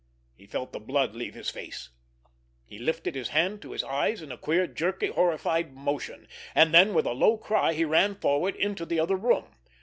He felt the blood leave his face. He lifted his hand to his eyes in a queer, jerky, horrified motion; and then, with a low cry, he ran forward into the other room.